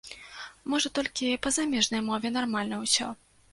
Можа, толькі па замежнай мове нармальна ўсё.